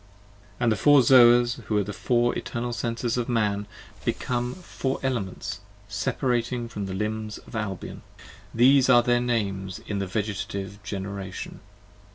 And the Four Zoas, who are the Four Eternal Senses of Man, Became Four Elements separating from the Limbs of Albion: These are their names in the Vegetative Generation.